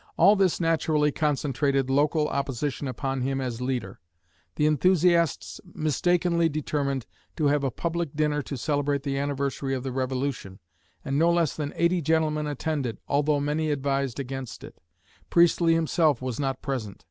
All this naturally concentrated local opposition upon him as leader. The enthusiasts mistakenly determined to have a public dinner to celebrate the anniversary of the Revolution, and no less than eighty gentlemen attended, altho many advised against it. Priestley himself was not present.